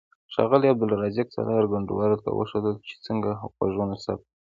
ښاغلي عبدالرزاق سالار ګډونوالو ته وښودل چې څنګه غږونه ثبت کړي.